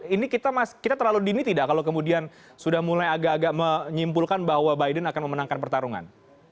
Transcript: ini kita terlalu dini tidak kalau kemudian sudah mulai agak agak menyimpulkan bahwa biden akan memenangkan pertarungan